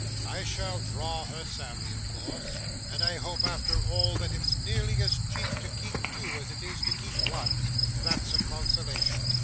'I shall draw her salary, of course, and I hope after all that it's nearly as cheap to keep two as it is to keep one; that's a consolation.